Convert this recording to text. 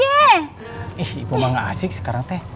ih ibu memang gak asik sekarang teh